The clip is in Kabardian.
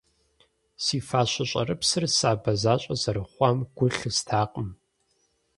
Си фащэ щӏэрыпсыр сабэ защӏэ зэрыхъуам гу лъыстакъым.